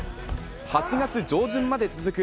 ８月上旬まで続く